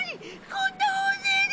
こんな大勢で！